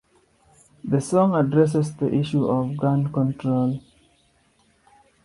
The song addresses the issue of gun control.